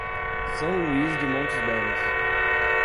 São Luís de Montes Belos